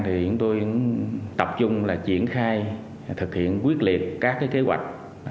thì chúng tôi tập trung là triển khai thực hiện quyết liệt các kế hoạch